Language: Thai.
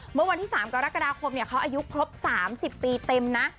เมื่อวันที่๓กรกฎาคมเขาอายุครบ๓๐ปีเต็มนะ